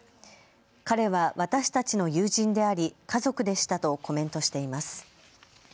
彼は私たちの友人であり家族でしたとコメントしています。